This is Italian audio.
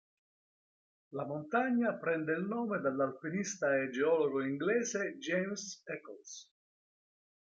La montagna prende il nome dall'alpinista e geologo inglese James Eccles.